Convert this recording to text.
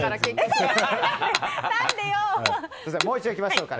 もう一度いきましょう。